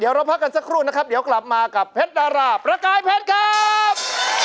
เดี๋ยวเราพักกันสักครู่นะครับเดี๋ยวกลับมากับเพชรดาราประกายเพชรครับ